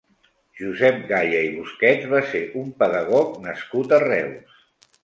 Josep Gaya i Busquets va ser un pedagog nascut a Reus.